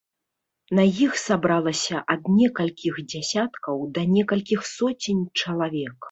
На іх сабралася ад некалькіх дзясяткаў да некалькіх соцень чалавек.